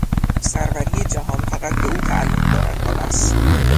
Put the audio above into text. سروری جهان فقط به او تعلق دارد و بس.